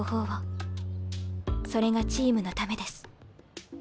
それがチームのためです。